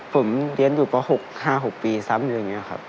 ผมเรียนอยู่ป๖๕๖ปีซ้ำอยู่อย่างนี้ครับ